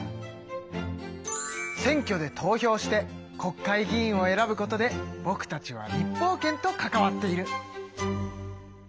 選挙で投票して国会議員を選ぶことでぼくたちは立法権と関わっている。